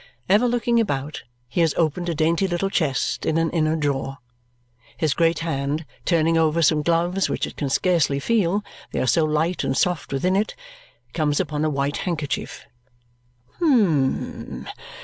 Ever looking about, he has opened a dainty little chest in an inner drawer. His great hand, turning over some gloves which it can scarcely feel, they are so light and soft within it, comes upon a white handkerchief. "Hum!